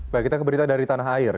baik kita keberitaan dari tanah air